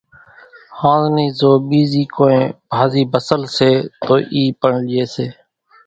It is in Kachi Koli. ۿانز نِي زو ٻيزي ڪونئين ڀازي ڀسل سي تو اِي پڻ لئي سي